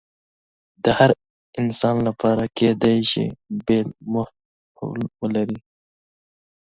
د هر انسان لپاره کیدای شي بیل مفهوم ولري